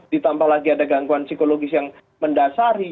ditambah lagi ada gangguan psikologis yang mendasari